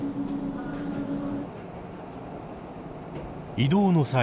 移動の際